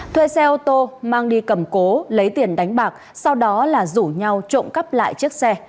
thuê xe ô tô mang đi cầm cố lấy tiền đánh bạc sau đó là rủ nhau trộm cắp lại chiếc xe